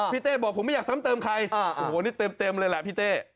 เต้บอกผมไม่อยากซ้ำเติมใครโอ้โหนี่เต็มเลยแหละพี่เต้